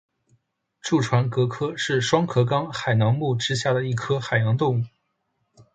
蛀船蛤科是双壳纲海螂目之下的一科海洋动物。